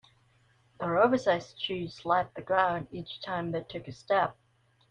Their oversized shoes slapped the ground each time they took a step.